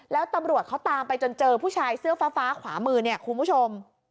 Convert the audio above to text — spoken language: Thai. แล้วตำรวจเขาตามไปจนเจอผู้ชายเสื้อฟ้าขวามือเนี่ยคุณผู้ชม